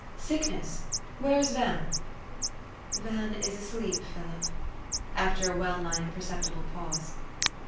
4 ' Sickness ? Where is Van ?''" Van is asleep, Philip," after a well nigh imper ceptible pause.